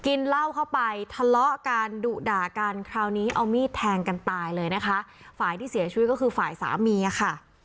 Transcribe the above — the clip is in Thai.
กินเหล้าเข้าไปทะเลาะกันดุด่ากันคราวนี้เอามีดแทงกันตายเลยนะคะฝ่ายที่เสียชีวิตก็คือฝ่ายสามีค่ะ